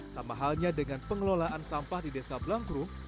sama halnya dengan pengelolaan sampah di desa blangkrum